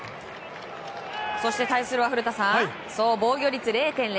そして対するは古田さん防御率０．００。